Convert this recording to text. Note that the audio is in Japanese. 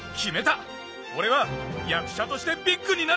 俺は役者としてビッグになってやる！